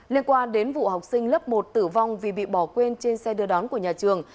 liên quan đến vụ học sinh lớp một tử vong vì bị bỏ quên trên xe đưa đón của nhà trường